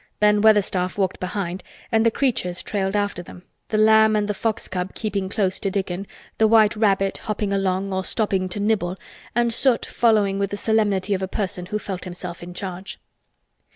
Ben Weatherstaff walked behind, and the "creatures" trailed after them, the lamb and the fox cub keeping close to Dickon, the white rabbit hopping along or stopping to nibble and Soot following with the solemnity of a person who felt himself in charge.